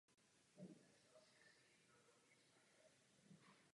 Předložíme návrh usnesení na začátku října, do poloviny října.